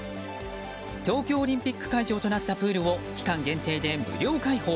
東京オリンピック会場となったプールを期間限定で無料開放。